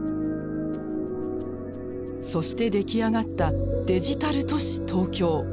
そして出来上がったデジタル都市東京。